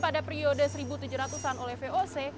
pada periode seribu tujuh ratus an oleh voc